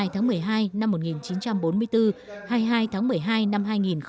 hai mươi tháng một mươi hai năm một nghìn chín trăm bốn mươi bốn hai mươi hai tháng một mươi hai năm hai nghìn hai mươi